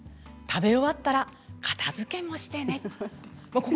食べ終わったら片づけもしてねと。